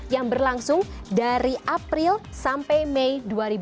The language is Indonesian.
yang berlangsung dari april sampai mei dua ribu dua puluh